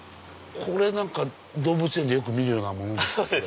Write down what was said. これなんか動物園でよく見るようなものですね。